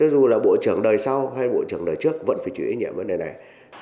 dù là bộ trưởng đời sau hay bộ trưởng đời trước vẫn phải truyền nhiệm vấn đề này